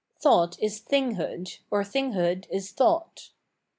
Tbongbt is thing hood, or tbinghood is thought.